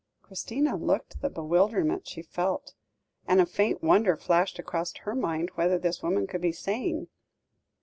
Christina looked the bewilderment she felt, and a faint wonder flashed across her mind whether this woman could be sane.